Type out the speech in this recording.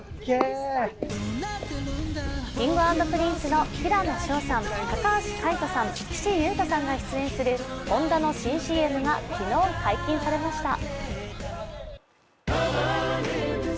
Ｋｉｎｇ＆Ｐｒｉｎｃｅの平野紫耀さん、高橋海人さん、岸優太さんが出演するホンダの新ＣＭが解禁されました。